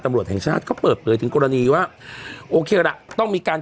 ตำรวจแห่งชาติเขาเปิดเผยถึงกรณีว่าโอเคละต้องมีการ